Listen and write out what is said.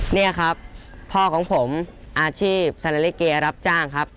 นี่ครับพ่อของผมอาชีพซานาลิเกรับจ้างครับ